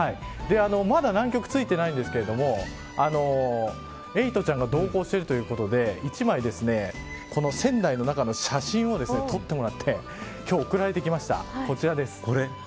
まだ南極、着いてないんですけどエイトちゃんが同行しているということで１枚、この船内の写真を撮ってもらって今日、送られてきました。